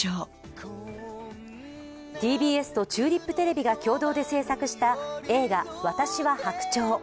ＴＢＳとチューリップテレビが共同で制作した映画「私は白鳥」。